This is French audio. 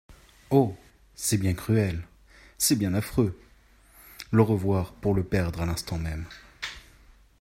Oh ! c'est bien cruel ! c'est bien affreux ! Le revoir pour le perdre à l'instant même.